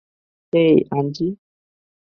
হেই, Anji!